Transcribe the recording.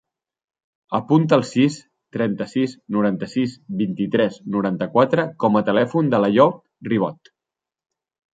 Apunta el sis, trenta-sis, noranta-sis, vint-i-tres, noranta-quatre com a telèfon de l'Àyoub Ribot.